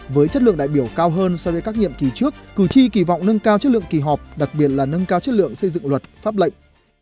với chất lượng đại biểu cao hơn so với các nhiệm kỳ trước cử tri kỳ vọng nâng cao chất lượng kỳ họp đặc biệt là nâng cao chất lượng xây dựng luật pháp lệnh